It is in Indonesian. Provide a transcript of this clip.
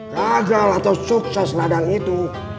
gagal atau sukses ladang itu